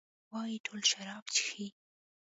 وايي ټول شراب چښي؟